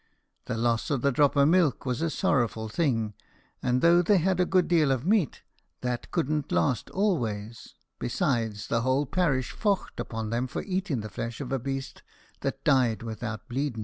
The loss of the drop o' milk was a sorrowful thing, and though they had a good deal of meat, that couldn't last always; besides, the whole parish faughed upon them for eating the flesh of a beast that died without bleeden.